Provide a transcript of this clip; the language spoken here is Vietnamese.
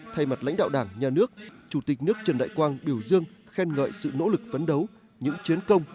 thay mặt lãnh đạo đảng nhà nước chủ tịch nước trần đại quang biểu dương khen ngợi sự nỗ lực phấn đấu những chiến công